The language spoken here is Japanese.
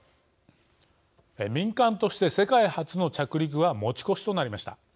民間として世界初の着陸は持ち越しとなりました。